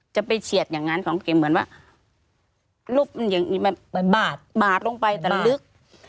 ไปเฉียดอย่างนั้นของเกมเหมือนว่ารูปมันอย่างนี้มันบาดบาดลงไปแต่ลึก